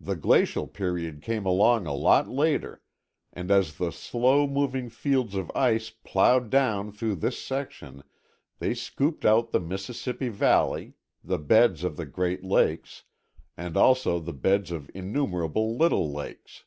The glacial period came along a lot later, and as the slow moving fields of ice plowed down through this section they scooped out the Mississippi valley, the beds of the Great Lakes and also the beds of innumerable little lakes.